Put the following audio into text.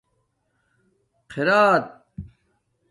خِرت